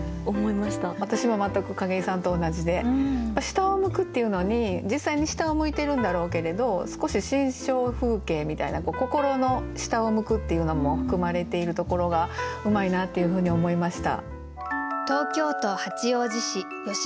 私も全く景井さんと同じで「下を向く」っていうのに実際に下を向いてるんだろうけれど少し心象風景みたいな心の下を向くっていうのも含まれているところがうまいなっていうふうに思いました。